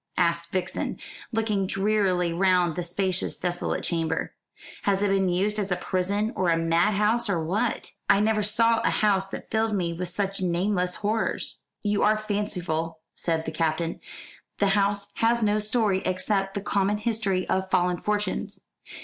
asked Vixen, looking drearily round the spacious desolate chamber. "Has it been used as a prison, or a madhouse, or what? I never saw a house that filled me with such nameless horrors." "You are fanciful," said the Captain. "The house has no story except the common history of fallen fortunes.